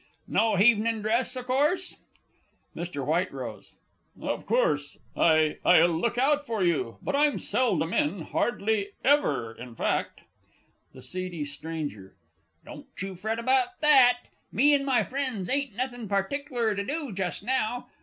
No hevenin' dress, o' course? MR. W. Of course. I I'll look out for you. But I'm seldom in hardly ever, in fact. THE S. S. Don't you fret about that. Me and my friends ain't nothing partickler to do just now.